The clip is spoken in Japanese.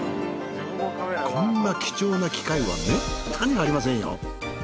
こんな貴重な機会はめったにありませんよ。